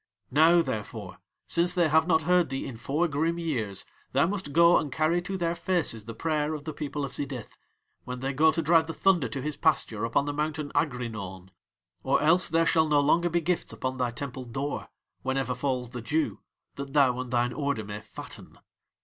Now, therefore, since They have not heard thee in four grim years, thou must go and carry to Their faces the prayer of the people of Sidith when They go to drive the thunder to his pasture upon the mountain Aghrinaun, or else there shall no longer be gifts upon thy temple door, whenever falls the dew, that thou and thine order may fatten.